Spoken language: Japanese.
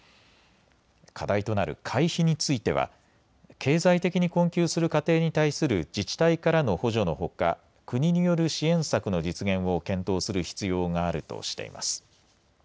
課題となる会費については経済的に困窮する家庭に対する自治体からの補助のほか国による支援策の実現を検討する必要があるとしています。